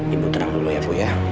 ibu tenang dulu ya bu